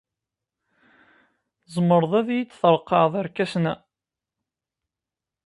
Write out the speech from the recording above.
Tzemreḍ ad iyi-treqqɛeḍ irkasen-a?